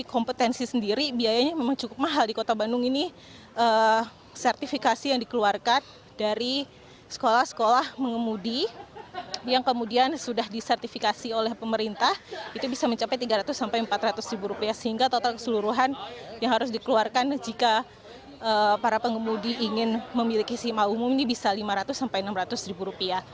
jadi uji kompetensi sendiri biayanya memang cukup mahal di kota bandung ini sertifikasi yang dikeluarkan dari sekolah sekolah pengemudi yang kemudian sudah disertifikasi oleh pemerintah itu bisa mencapai rp tiga ratus rp empat ratus sehingga total keseluruhan yang harus dikeluarkan jika para pengemudi ingin memiliki sim a umum ini bisa rp lima ratus rp enam ratus